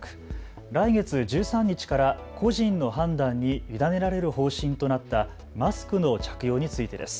来月１３日から個人の判断に委ねられる方針となったマスクの着用についてです。